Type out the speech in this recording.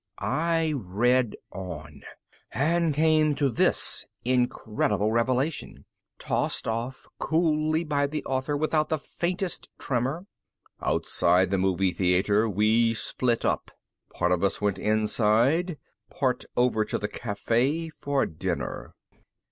I read on. And came to this incredible revelation, tossed off coolly by the author without the faintest tremor: _... outside the movie theater we split up. Part of us went inside, part over to the cafe for dinner.